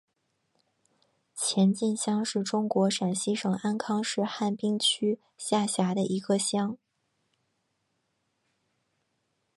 前进乡是中国陕西省安康市汉滨区下辖的一个乡。